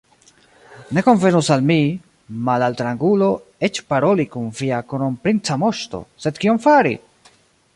Ne konvenus al mi, malaltrangulo, eĉ paroli kun via kronprinca moŝto, sed kion fari?